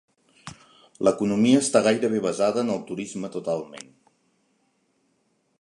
L'economia està gairebé basada en el turisme totalment.